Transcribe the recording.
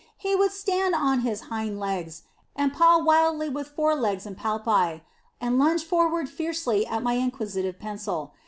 He would stand on his hind legs and paw wildly with fore legs and palpi, and lunge forward fiercely at my inquisitive pencil.